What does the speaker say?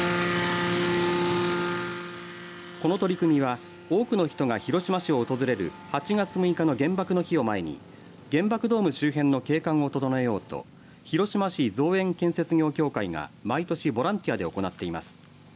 この取り組みは多くの人が広島市を訪れる８月６日の原爆の日を前に原爆ドーム周辺の景観を整えようと広島市造園建設業協会が毎年ボランティアで行っています。